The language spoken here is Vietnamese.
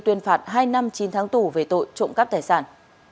tuyên phạt hai năm chín tháng tù về tội trộm cắp tài sản